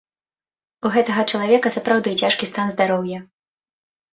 У гэтага чалавека сапраўды цяжкі стан здароўя.